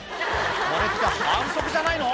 これって反則じゃないの？